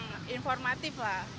kurang informatif lah